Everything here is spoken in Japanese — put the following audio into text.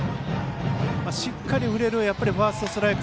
しっかり振れるファーストストライク